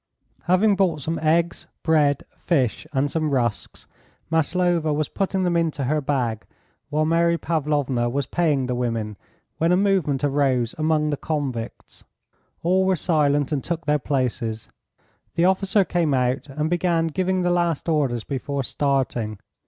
Having bought some eggs, bread, fish, and some rusks, Maslova was putting them into her bag, while Mary Pavlovna was paying the women, when a movement arose among the convicts. All were silent and took their places. The officer came out and began giving the last orders before starting.